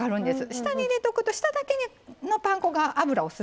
下に入れとくと下だけのパン粉が油を吸っちゃうのでね